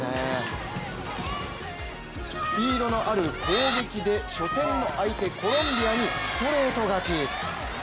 スピードのある攻撃で初戦の相手、コロンビアにストレート勝ち。